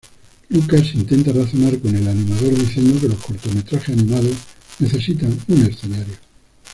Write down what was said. Lucas intenta razonar con el animador diciendo que los cortometrajes animados necesitan un escenario.